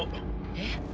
えっ？